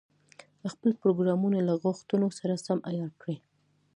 خپل پروګرامونه له غوښتنو سره سم عیار کړي.